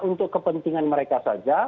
untuk kepentingan mereka saja